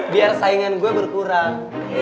biar saingan gue berkurang